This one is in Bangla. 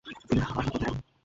তিনি আসার পথে হ্যাঁলো!